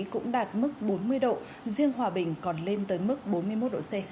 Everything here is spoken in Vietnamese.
cũng đạt mức bốn mươi độ riêng hòa bình còn lên tới mức bốn mươi một độ c